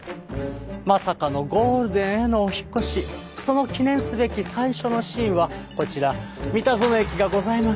まさかのゴールデンへのお引っ越しその記念すべき最初のシーンはこちら美田園駅がございます